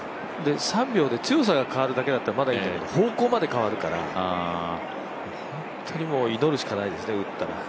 ３秒で強さが変わるだけだったらまだいいけど方向まで変わるから、本当に祈るしかないですね、打ったら。